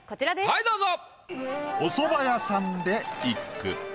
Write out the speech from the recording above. はいどうぞ。